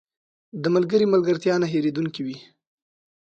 • د ملګري ملګرتیا نه هېریدونکې وي.